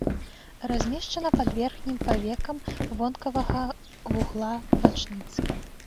Размешчана пад верхнім павекам вонкавага вугла вачніцы.